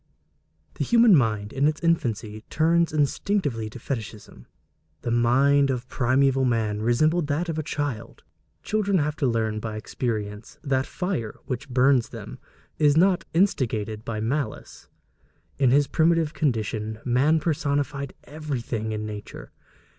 The human mind in its infancy turns instinctively to fetichism. The mind of primeval man resembled that of a child. Children have to learn by experience that the fire which burns them is not instigated by malice. In his primitive condition, man personified everything in nature.